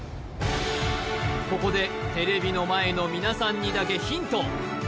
ここでテレビの前の皆さんにだけヒント！